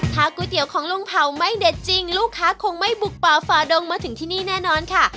ถ้าก๋วยเตี๋ยวของลุงเผาไม่เด็ดจริงลูกค้าคงไม่บุกป่าฝาดงมาถึงที่นี่แน่นอนค่ะ